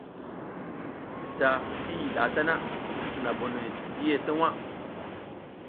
Da ki yih ɗa ta na, ki sina bonoy ngi yih tuwa.